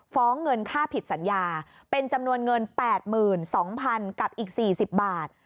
เงินค่าผิดสัญญาเป็นจำนวนเงิน๘๒๐๐๐กับอีก๔๐บาท